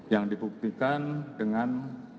yang dipuktikan dengan